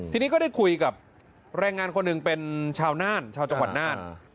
ทีนี้ก็ได้คุยกับแรงงานคนหนึ่งเป็นชาวน่านชาวจังหวัดน่าน